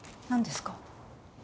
何ですか？